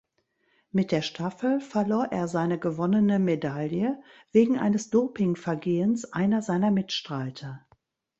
Mit der Staffel verlor er seine gewonnene Medaille wegen eines Dopingvergehens einer seiner Mitstreiter.